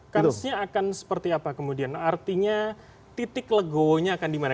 kansinya akan seperti apa kemudian artinya titik legonya akan dimana